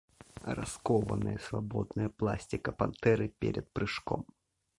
Раскованная свободная пластика пантеры перед прыжком.